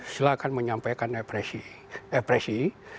silakan menyampaikan apresi